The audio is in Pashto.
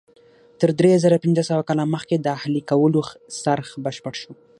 تر درې زره پنځه سوه کاله مخکې د اهلي کولو څرخ بشپړ شو.